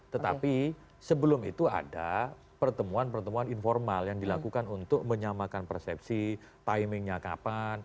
tetapi sebelum itu ada pertemuan pertemuan informal yang dilakukan untuk menyamakan persepsi timingnya kapan